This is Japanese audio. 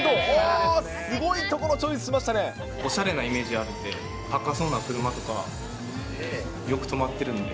おしゃれなイメージあるので、高そうな車とか、よく止まってるんで。